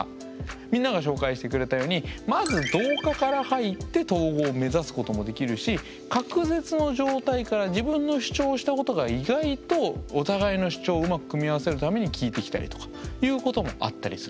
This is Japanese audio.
みんなが紹介してくれたようにまず同化から入って統合を目指すこともできるし隔絶の状態から自分の主張したことが意外とお互いの主張をうまく組み合わせるために効いてきたりとかいうこともあったりする。